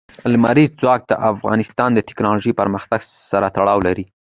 لمریز ځواک د افغانستان د تکنالوژۍ پرمختګ سره تړاو لري.